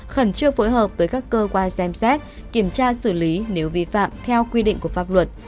khẩn trương phối hợp với các cơ quan xem xét kiểm tra xử lý nếu vi phạm theo quy định của pháp luật